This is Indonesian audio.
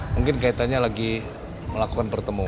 mungkin kaitannya lagi melakukan pertemuan